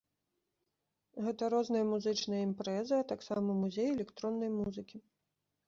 Гэта розныя музычныя імпрэзы, а таксама музей электроннай музыкі.